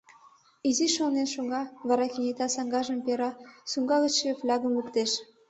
Изиш шонен шога, вара кенета саҥгажым пера, сумка гычше флягым луктеш.